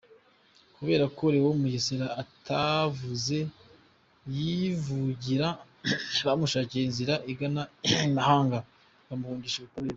Kubera ko Leon Mugesera atavuze yivugira, bamushakiye inzira igana imahanga bamuhungisha ubutabera.